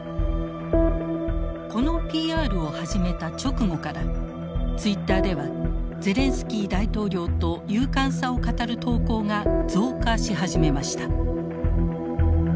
このＰＲを始めた直後からツイッターではゼレンスキー大統領と勇敢さを語る投稿が増加し始めました。